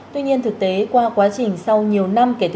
tuy nhiên thực tế qua quá trình sau nhiều năm